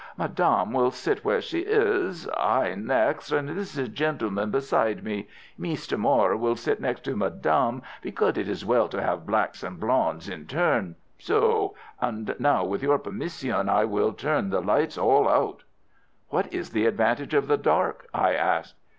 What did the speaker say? Madame will sit where she is, I next, and this gentleman beside me. Meester Moir will sit next to madame, because it is well to have blacks and blondes in turn. So! And now with your permission I will turn the lights all out." "What is the advantage of the dark?" I asked.